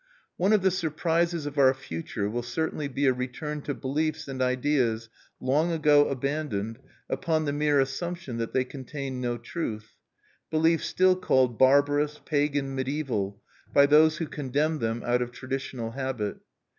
One of the surprises of our future will certainly be a return to beliefs and ideas long ago abandoned upon the mere assumption that they contained no truth, belief still called barbarous, pagan, mediaeval, by those who condemn them out of traditional habit.